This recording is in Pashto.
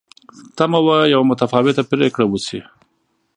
تمه وه یوه متفاوته پرېکړه وشي.